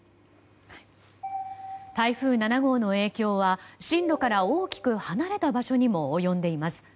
台風７号の影響は進路から大きく離れた場所にも及んでいます。